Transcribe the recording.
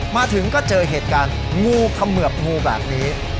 มาถึงก็เจอเหตุการณ์งูเขมือบงูแบบนี้